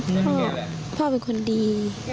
ผมไม่มีคนดี